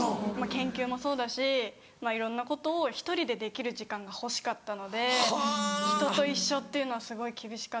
研究もそうだしいろんなことを１人でできる時間が欲しかったので人と一緒っていうのはすごい厳しかった。